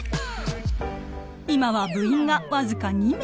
今は部員が僅か２名。